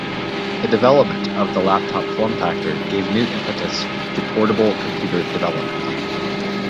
The development of the laptop form factor gave new impetus to portable computer development.